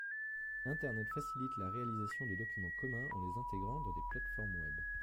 Internet facilite la réalisation de documents communs en les intégrant dans des plates-formes web.